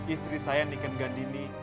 istri saya niken gandini